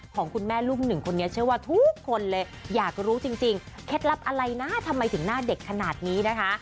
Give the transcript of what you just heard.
ของคุณแม่ลูกหนึ่งคนนี้เชื่อว่าทุกคนเลยอยากรู้จริงเคล็ดลับอะไรนะทำไมถึงหน้าเด็กขนาดนี้นะคะ